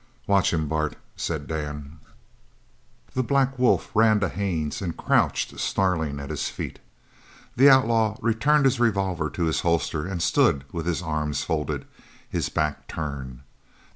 "Watch him, Bart," said Dan. The black wolf ran to Haines and crouched snarling at his feet. The outlaw restored his revolver to his holster and stood with his arms folded, his back turned.